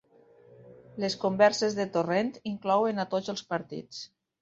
Les converses de Torrent inclouen a tots els partits